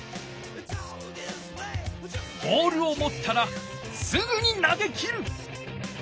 ボールをもったらすぐになげきる。